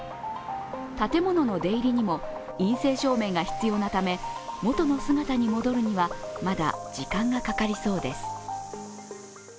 建物の出入りにも陰性証明が必要なため元の姿に戻るには、まだ時間がかかりそうです。